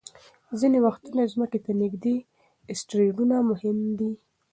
ځینې وختونه ځمکې ته نږدې اسټروېډونه مهم وي.